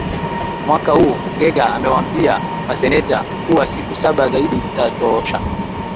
mwaka huu ngega amewambia maseneta kuwa siku saba zaidi zitatosha